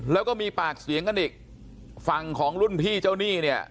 แล้วก็มีปากเสียงกันอีกฝั่งของรุ่นพี่เจ้าหนี้เนี่ย